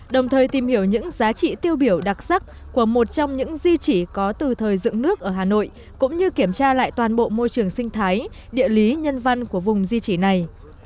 đồng thời tìm hiểu những giá trị tiêu biểu đặc sắc của một trong những di chỉ có từ thời dựng nước ở hà nội cũng như kiểm tra lại toàn bộ môi trường sinh thái địa lý nhân văn của vùng di trị này